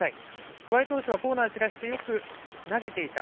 桑江投手はコーナーに散らしてよく投げていた。